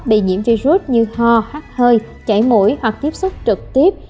bị nhiễm virus như ho hát hơi chảy mũi hoặc tiếp xúc trực tiếp